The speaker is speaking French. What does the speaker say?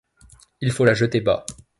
Il faut la jeter bas.